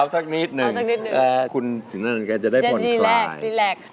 เอาสักนิดนึงคุณสินนานานจะได้มนตรายจะดีแลกซ์ดีแลกซ์